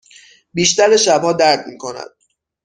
بیشتر شبها درد می کند.